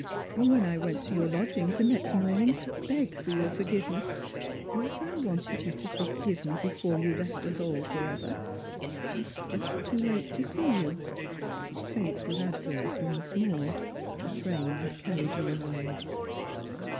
And when I went to your lodgings the next morning, to beg for your forgiveness — yes, I wanted you to forgive me before you left us all for ever — I waa just too late to see you. Fate was adverse once more. The train had carried you away."